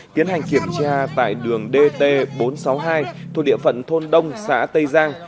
tiến hành kiểm tra tại đường dt bốn trăm sáu mươi hai thuộc địa phận thôn đông xã tây giang